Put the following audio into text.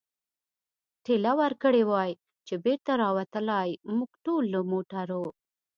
ټېله ورکړې وای، چې بېرته را وتلای، موږ ټول له موټرو.